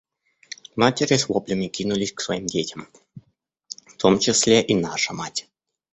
Матери с воплями кинулись к своим детям, в том числе и наша мать.